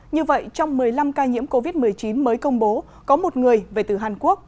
như vậy trong một mươi năm ca nhiễm covid một mươi chín mới công bố có một người về từ hàn quốc